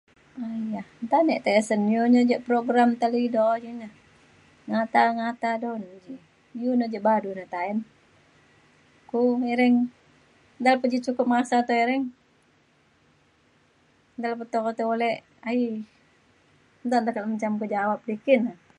Nta ne e tisen iu ja program talidio ji na ngata ngata dau re ji. Iu ja na badu ne ta’en ku miring da pe ji cukup masa tereng dalau pe to tai ule aie. Nta pa jam jawab ti ki na.